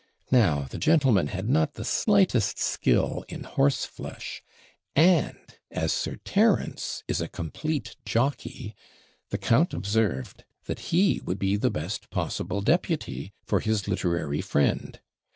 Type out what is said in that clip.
Now the gentleman had not the slightest skill in horseflesh; and, as Sir Terence is a complete jockey, the count observed that he would be the best possible deputy for his literary friend.